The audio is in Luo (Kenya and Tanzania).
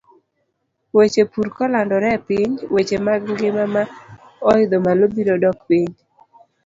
Weche pur kolandore e piny, weche mag ngima ma oidho malo biro dok piny.